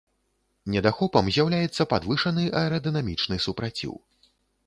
Недахопам з'яўляецца падвышаны аэрадынамічны супраціў.